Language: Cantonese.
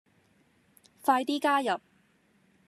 快啲加入